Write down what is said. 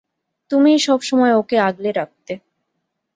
তুমিই সবসময় ওকে আগলে রাখতে।